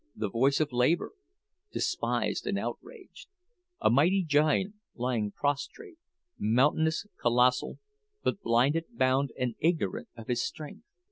The voice of Labor, despised and outraged; a mighty giant, lying prostrate—mountainous, colossal, but blinded, bound, and ignorant of his strength.